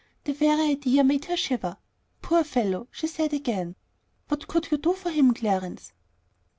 The very idea made her shiver. "Poor fellow!" she said again; "what could you do for him, Clarence?"